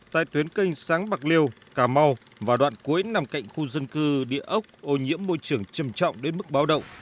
tại tuyến canh sáng bạc liêu cà mau và đoạn cuối nằm cạnh khu dân cư địa ốc ô nhiễm môi trường chầm trọng đến mức báo động